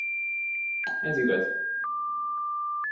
Ez igaz.